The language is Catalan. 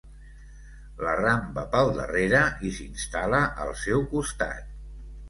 L'arramba pel darrere i s'instal·la al seu costat.